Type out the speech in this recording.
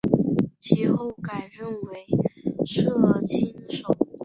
其后改任为摄津守。